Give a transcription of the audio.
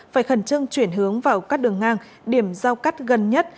phải khẩn trưng chuyển hướng vào các đường ngang điểm giao cắt gần nhất